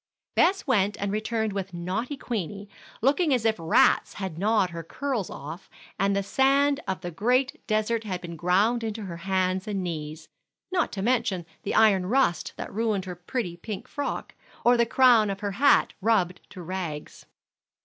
Bess went and returned with naughty Queenie, looking as if rats had gnawed her curls off, and the sand of the great desert had been ground into her hands and knees, not to mention the iron rust that ruined her pretty pink frock, or the crown of her hat rubbed to rags.